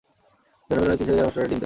যৌন মিলনের তিন-চার মাস পরে এরা ডিম দেয়।